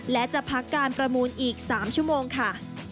และจะพักการประมูลอีก๓ชั่วโมงค่ะ